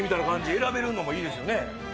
選べるのもいいですね。